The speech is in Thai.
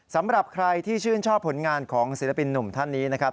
สำหรับใครที่ชื่นชอบผลงานของศิลปินหนุ่มท่านนี้นะครับ